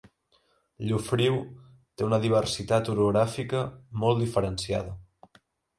Llofriu té una diversitat orogràfica molt diferenciada.